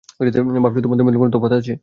ভাবছো তোমাদের মধ্যে কোনো তফাৎ আছে?